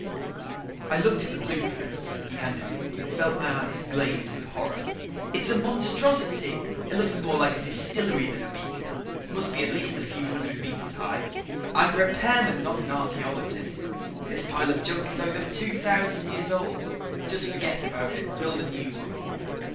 I looked at the blueprints he handed me and felt my eyes glaze with horror. "It's a monstrosity! It looks more like a distillery than a beacon must be at least a few hundred meters high. I'm a repairman, not an archeologist. This pile of junk is over 2000 years old. Just forget about it and build a new one."